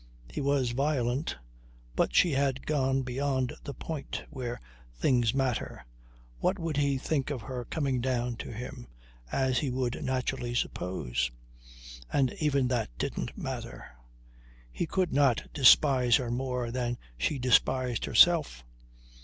He was violent. But she had gone beyond the point where things matter. What would he think of her coming down to him as he would naturally suppose. And even that didn't matter. He could not despise her more than she despised herself.